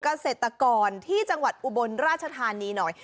เกษตรกรที่จังหวัดอุบลราชธานีหน่อย